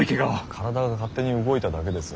体が勝手に動いただけです。